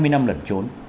hai mươi năm lận trốn